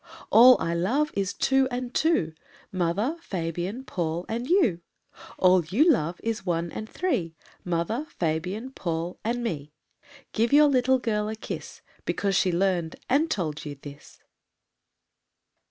All I love is two and two, Mother, Fabian, Paul and you; All you love is one and three, Mother, Fabian, Paul and me. Give your little girl a kiss Because she learned and told you this.